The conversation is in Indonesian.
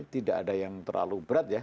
tidak ada yang terlalu berat ya